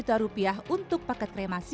adalah pihak ketiga yang mencari jasa kremasi